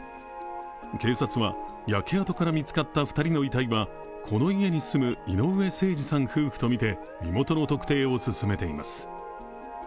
警察は、焼け跡から見つかった２人の遺体はこの家に住む井上盛司夫婦とみて身元の特定を進めています。